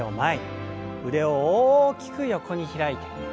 腕を大きく横に開いて。